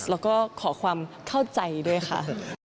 แล้วก็ขอความเข้าใจด้วยค่ะ